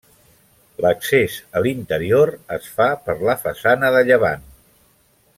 L'accés a l'interior es fa per la façana de llevant.